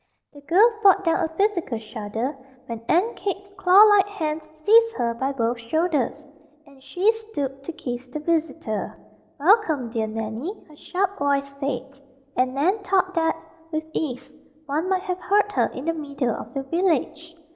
The girl fought down a physical shudder when Aunt Kate's clawlike hands seized her by both shoulders, and she stooped to kiss the visitor. "Welcome, dear Nannie," her sharp voice said, and Nan thought that, with ease, one might have heard her in the middle of the village.